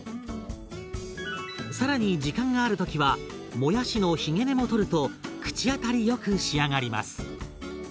更に時間がある時はもやしのひげ根も取ると口当たりよく仕上がります。